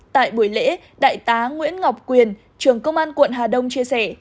tại buổi lễ đại tá nguyễn ngọc quyền trưởng công an quận hà đông chia sẻ